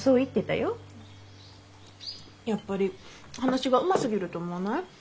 やっぱり話がうますぎると思わない？